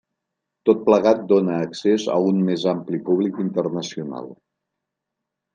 Tot plegat dóna accés a un més ampli públic internacional.